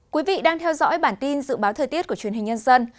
quý vị đang theo dõi bản tin dự báo thời tiết của truyền hình nhân dân